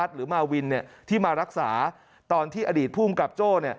หรือมาวินที่มารักษาตอนที่อดีตภูมิกับโจ้